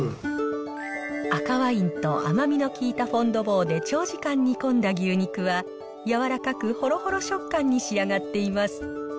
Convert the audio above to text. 赤ワインと甘みの効いたフォンドボーで長時間煮込んだ牛肉は、やわらかくほろほろ食感に仕上がっています。